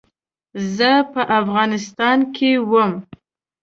زه په افغانستان کې وم.